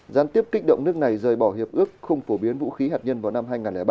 gián tiếp kích động nước này rời bỏ hiệp ước không phổ biến vũ khí hạt nhân vào năm hai nghìn ba